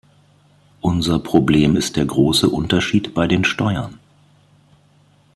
Unser Problem ist der große Unterschied bei den Steuern.